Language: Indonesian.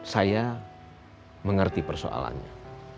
saya mengerti persoalannya